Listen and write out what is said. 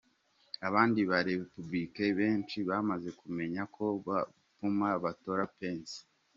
Abandi barepublicain benshi bamaze kumenyesha ko bopfuma batora Pence.